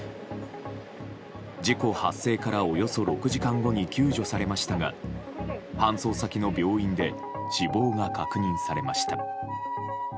事故発生からおよそ６時間後に救助されましたが搬送先の病院で死亡が確認されました。